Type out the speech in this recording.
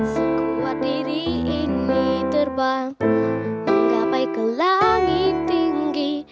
sekuat diri ini terbang menggapai ke langit tinggi